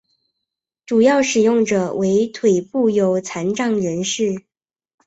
主要使用者为腿部有残障人士。